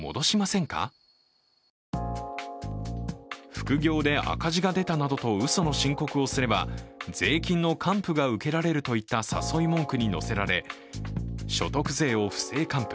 副業で赤字が出たなどとうその申告をすれば税金の還付が受けられるといった誘い文句に乗せられ所得税を不正還付